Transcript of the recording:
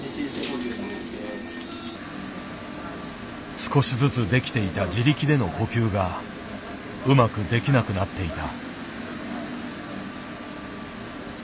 少しずつできていた自力での呼吸がうまくできなくなっていた。